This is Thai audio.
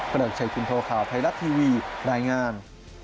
เกลิกใช้คุณโทรข่าวไทยรัตน์ทีวีรายงาน